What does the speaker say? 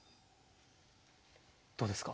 どうですか？